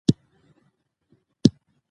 ازادي راډیو د اقتصاد د تحول لړۍ تعقیب کړې.